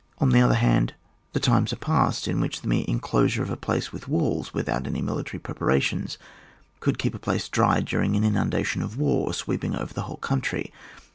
On the other hand, the ' times are past in which the mere enclosure of a place with walls, without any military preparations, could keep a place diy during an inundation of war sweeping over the whole country.